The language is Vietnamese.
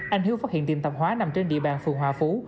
anh hiếu phát hiện tiệm tạp hóa nằm trên địa bàn phường hòa phú